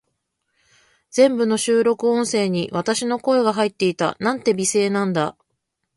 全部の収録音声に、私の声が入っていた。なんて美声なんだ。